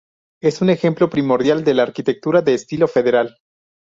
Es un ejemplo primordial de la arquitectura de estilo federal.